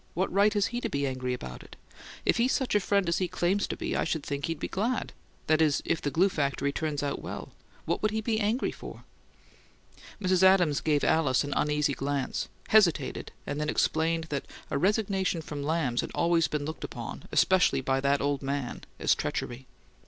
What right has he to be angry about it? If he's such a friend as he claims to be, I should think he'd be glad that is, if the glue factory turns out well. What will he be angry for?" Mrs. Adams gave Alice an uneasy glance, hesitated, and then explained that a resignation from Lamb's had always been looked upon, especially by "that old man," as treachery.